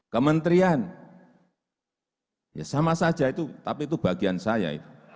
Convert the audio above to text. kementerian ya sama saja itu tapi itu bagian saya